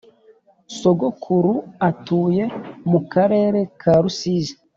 Sogokuru atuye mukarere ka rusizi